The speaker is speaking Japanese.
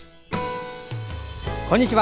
こんにちは。